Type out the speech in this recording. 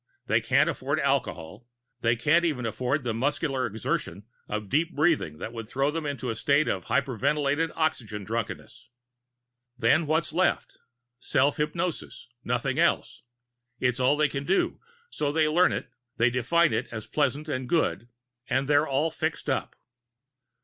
They can't afford alcohol; they can't even afford the muscular exertion of deep breathing that would throw them into a state of hyperventilated oxygen drunkenness. Then what's left? Self hypnosis. Nothing else. It's all they can do, so they learn it, they define it as pleasant and good, and they're all fixed up."